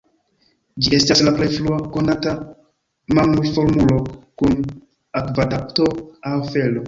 Ĝi estas la plej frua konata mamulformulo kun akvadapto aŭ felo.